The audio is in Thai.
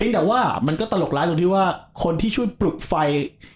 แต่ว่ามันก็ตลกร้ายตรงที่ว่าคนที่ช่วยปลุกไฟ